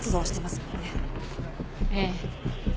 ええ。